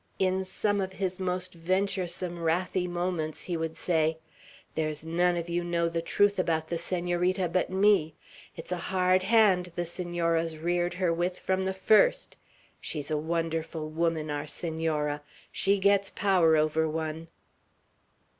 In some of his most venturesome wrathy moments he would say: "There's none of you know the truth about the Senorita but me! It's a hard hand the Senora's reared her with, from the first. She's a wonderful woman, our Senora! She gets power over one."